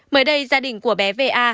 mới đây gia đình của bé va